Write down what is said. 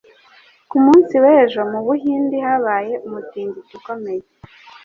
Ku munsi w'ejo mu Buhinde habaye umutingito ukomeye.